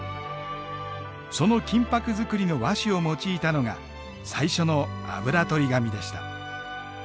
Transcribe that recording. その金箔作りの和紙を用いたのが最初のあぶらとり紙でした。